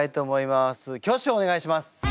挙手をお願いします。